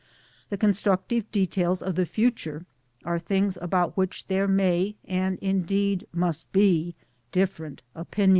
The construc tive details of the future are things about which there may and indeed must be different opinions.